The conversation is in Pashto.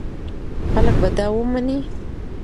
خلک به دا ومني.